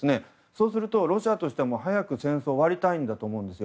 そうするとロシアとしても早く戦争終わりたいんだと思います。